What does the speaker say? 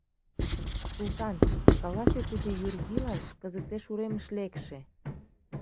— Султан, каласе тиде юрдийлан, кызытеш уремыш лекше!